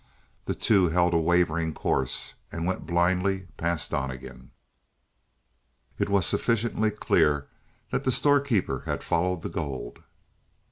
The two held a wavering course and went blindly past Donnegan. It was sufficiently clear that the storekeeper had followed the gold.